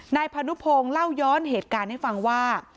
นายพานุพงศ์เล่าย้อนเหตุการณ์ให้ฟังว่า